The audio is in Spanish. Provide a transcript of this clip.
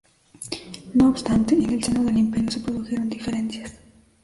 No obstante, en el seno del Imperio se produjeron diferencias.